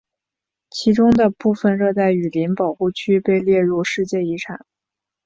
其中的部分热带雨林保护区被列入世界遗产。